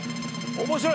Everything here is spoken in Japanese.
面白い！